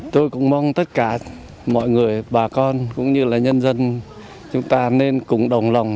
tôi cũng mong tất cả mọi người bà con cũng như là nhân dân chúng ta nên cũng đồng lòng